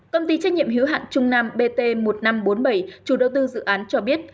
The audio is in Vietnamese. công ty trách nhiệm hiếu hạn trung nam bt một nghìn năm trăm bốn mươi bảy chủ đầu tư dự án cho biết